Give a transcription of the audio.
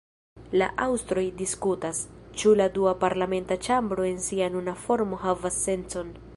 La aŭstroj diskutas, ĉu la dua parlamenta ĉambro en sia nuna formo havas sencon.